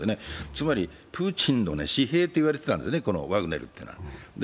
つまりプーチンの私兵と言われてたんです、ワグネルというのは。